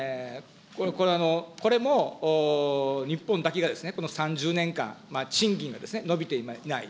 これも日本だけがですね、この３０年間、賃金が伸びていない。